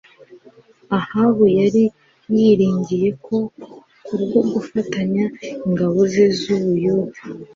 Ahabu yari yiringiye ko kubwo gufatanya ingabo ze nizUbuyuda